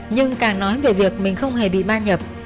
nhưng càng nói về việc mình không hề bị ban nhập